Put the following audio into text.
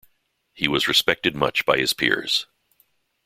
He was respected much by his peers.